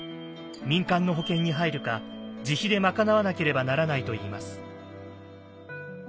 民間の保険に入るか自費で賄わなければならないといいます。